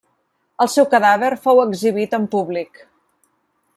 El seu cadàver fou exhibit en públic.